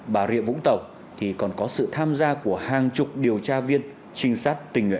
bà rịa vũng tàu thì còn có sự tham gia của hàng chục điều tra viên trinh sát tình nguyện